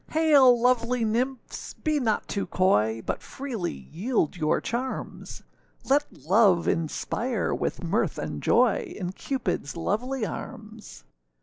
Hail! lovely nymphs, be not too coy, But freely yield your charms; Let love inspire with mirth and joy, In Cupidâs lovely arms.